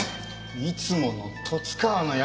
いつもの十津川の奴だよ。